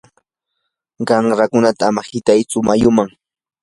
qanrakunata ama qitaychu mayuman.